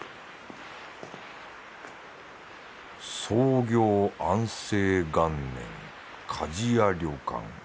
創業安政元年かぢや旅館。